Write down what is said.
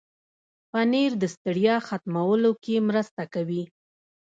پنېر د ستړیا ختمولو کې مرسته کوي.